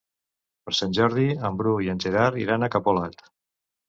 Per Sant Jordi en Bru i en Gerard iran a Capolat.